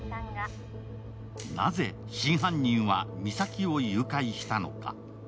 なぜ真犯人は実咲を誘拐したのか。